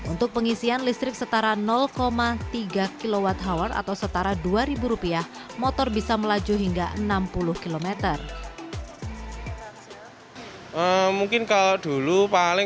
untuk pengisian listrik setara lima juta rupiah dan berhasil mencapai seratus